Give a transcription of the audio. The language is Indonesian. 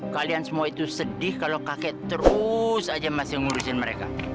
kalian semua itu sedih kalau kakek terus aja masih ngurusin mereka